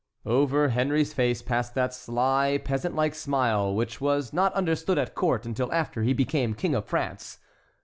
Over Henry's face passed that sly, peasant like smile, which was not understood at court until after he became King of France.